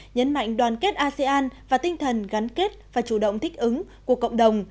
nhấn mạnh đoàn kết asean và tinh thần gắn kết và chủ động thích ứng của cộng đồng